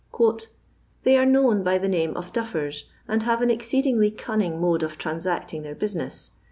They are known by [the name of ' duffert,* and bava an exceedingly cunning mode of transacting their bniinesi.